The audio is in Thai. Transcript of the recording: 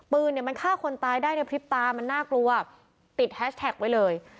ปืนเนี่ยมันฆ่าคนตายได้ในพริบตามันน่ากลัวติดแฮชแท็กไว้เลย